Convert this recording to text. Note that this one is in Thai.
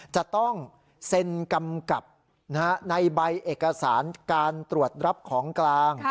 จะต้องเซ็นกำกับในใบเอกสารการตรวจรับของกลาง